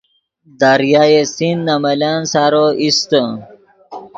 دریائے سندھ نے ملن سارو ایستے